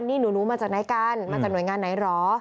นี่หนูมาจากไหนกันมาจากหน่วยงานไหนเหรอ